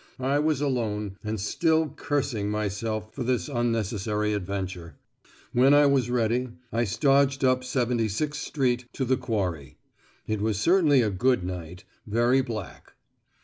I was alone, and still cursing myself for this unnecessary adventure. When I was ready, I stodged up 76 Street to the Quarry. It was certainly a good night, very black.